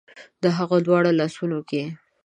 د هغه دواړو لاسونو کې